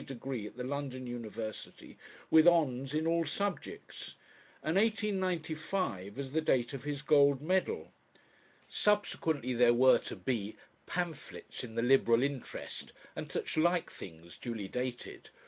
degree at the London University with "hons. in all subjects," and 1895 as the date of his "gold medal." Subsequently there were to be "pamphlets in the Liberal interest," and such like things duly dated.